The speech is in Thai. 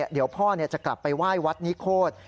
เดี๋ยวพ่อจะกลับไปไหว้วัดนิโคตร